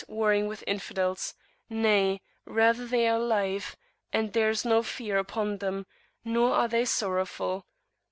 warring with Infidels); nay, rather they are alive, and there is no Fear upon them, nor are they sorrowful!'